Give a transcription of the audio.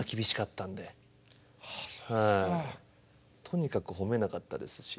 とにかく褒めなかったですし。